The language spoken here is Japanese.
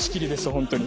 本当に。